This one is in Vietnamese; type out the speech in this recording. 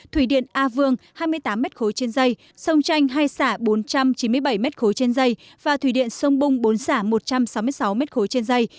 thủy điện a vương hai mươi tám m ba trên dây sông chanh hay xả bốn trăm chín mươi bảy m ba trên dây và thủy điện sông bung bốn xả một trăm sáu mươi sáu m ba trên dây